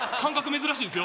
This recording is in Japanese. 珍しいですよ